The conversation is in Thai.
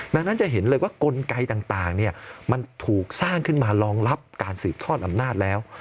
ดังนั้นจะเห็นเลยว่ากลไกต่างมันถูกสร้างขึ้นมารองรับการสืบทอดอำนาจแล้ว